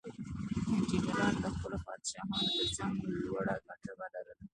انجینرانو د خپلو پادشاهانو ترڅنګ لوړه مرتبه لرله.